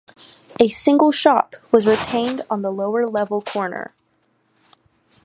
A single shop was retained on the lower level corner.